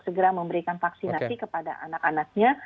segera memberikan vaksinasi kepada anak anaknya